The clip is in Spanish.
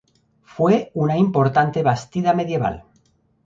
Fue una importante bastida medieval.